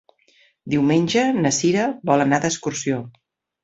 Diumenge na Sira vol anar d'excursió.